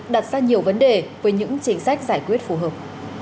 đặt ra nhiều vấn đề với những chính sách giải quyết phù hợp